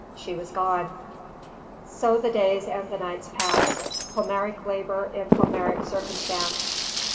She was gone. So the days and the nights passed: Homeric labour in Homeric circumstance.